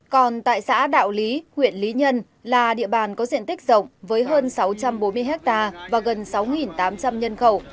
còn tại xã đạo lý huyện lý nhân là địa bàn có diện tích rộng với hơn sáu trăm bốn mươi hectare và gần sáu tám trăm linh nhân khẩu